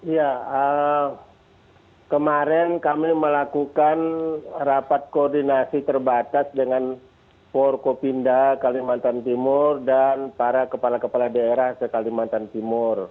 ya kemarin kami melakukan rapat koordinasi terbatas dengan forkopinda kalimantan timur dan para kepala kepala daerah ke kalimantan timur